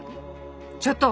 ちょっと！